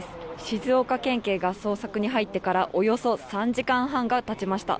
静岡県警が捜索に入ってからおよそ３時間半が経ちました。